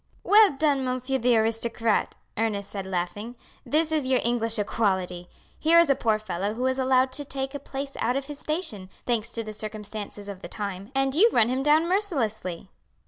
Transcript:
"Well done, monsieur the aristocrat!" Ernest said laughing. "This is your English equality! Here is a poor fellow who is allowed to take a place our of his station, thanks to the circumstances of the time, and you run him down mercilessly!"